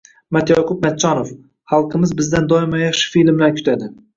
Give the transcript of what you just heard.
Matyoqub Matchonov: xalqimiz bizdan doimo yaxshi filmlar kutadi